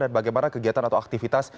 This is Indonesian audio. bagaimana kegiatan atau aktivitas